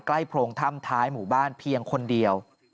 โพรงถ้ำท้ายหมู่บ้านเพียงคนเดียว